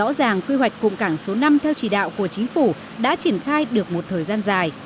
rõ ràng quy hoạch cụm cảng số năm theo chỉ đạo của chính phủ đã triển khai được một thời gian dài